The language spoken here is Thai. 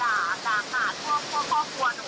ใช่ค่ะถ่ายรูปส่งให้พี่ดูไหม